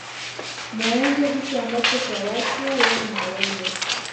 Muenge hicho ambacho, cha watu wenye mawenge,